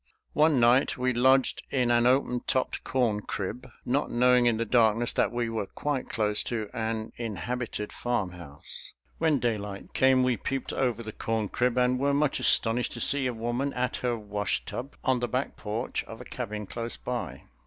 One night we lodged in an open topped corn crib, not knowing in the darkness that we were quite close to an inhabited farmhouse. When daylight came we peeped over the corn crib and were much astonished to see a woman at her wash tub on the back porch of a cabin close by.